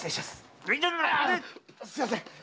すいやせん。